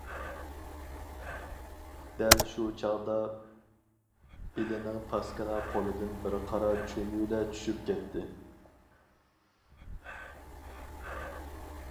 دەل شۇ چاغدا بېلىنىڭ پاسكىنا قولىدىن بىر قارا چۈمۈلە چۈشۈپ كەتتى.